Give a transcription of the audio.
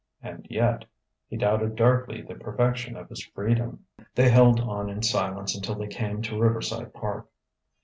And yet ... he doubted darkly the perfection of his freedom.... They held on in silence until they came to Riverside Park.